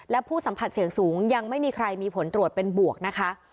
และผู้สัมผัสเสี่ยงสูงยังไม่มีใครมีผลตรวจเป็นบวกนะคะ